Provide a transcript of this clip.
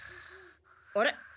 あれ？